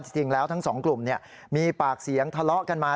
จริงแล้วทั้งสองกลุ่มมีปากเสียงทะเลาะกันมา